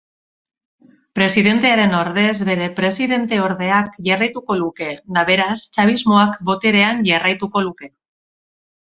Presidentearen ordez bere presidente-ordeak jarraituko luke eta beraz chavismoak boterean jarraituko luke.